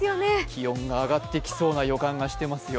気温が上がってきそうな予感がしますよ。